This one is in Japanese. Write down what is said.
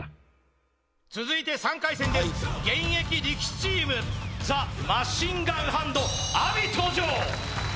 続いて３回戦です現役力士チームザ・マシンガンハンド阿炎登場